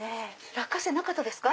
落花生なかったですか？